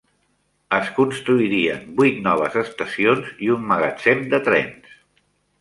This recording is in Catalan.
Es construirien vuit noves estacions i un magatzem de trens.